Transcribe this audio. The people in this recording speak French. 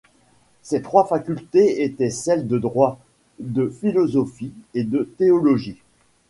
Ces trois facultés étaient celles de droit, de philosophie et de théologie.